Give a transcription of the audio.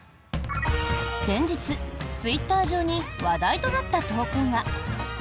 先日、ツイッター上に話題となった投稿が。